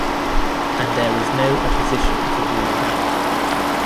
And there is no opposition to rule it out.